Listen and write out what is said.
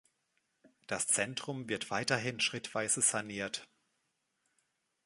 Das Zentrum wird weiterhin schrittweise saniert.